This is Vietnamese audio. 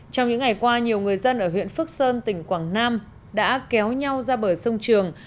trong những ngày qua nhiều người dân ở huyện phước sơn tỉnh quảng nam đã kéo nhau ra bờ sông trường